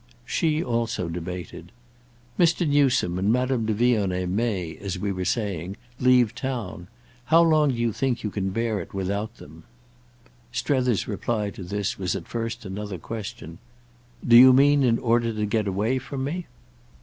She also debated "Mr. Newsome and Madame de Vionnet may, as we were saying, leave town. How long do you think you can bear it without them?" Strether's reply to this was at first another question. "Do you mean in order to get away from me?"